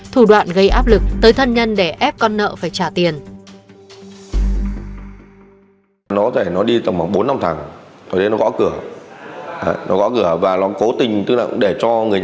thủ đoạn gây áp lực tới thân nhân để ép con nợ phải trả tiền